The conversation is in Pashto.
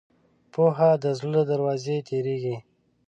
پوهه د زړه له دروازې تېرېږي.